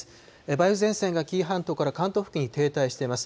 梅雨前線が紀伊半島から関東付近に停滞しています。